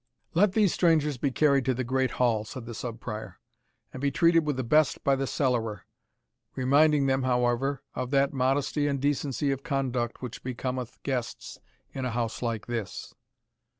"Let these strangers be carried to the great hall," said the Sub Prior, "and be treated with the best by the cellarer; reminding them, however, of that modesty and decency of conduct which becometh guests in a house like this."